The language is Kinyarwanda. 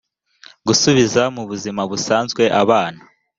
gusubiza mu buzima busanzwe abana